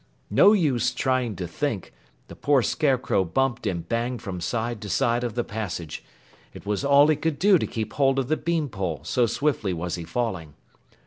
No use trying to think! The poor Scarecrow bumped and banged from side to side of the passage. It was all he could do to keep hold of the bean pole, so swiftly was he falling.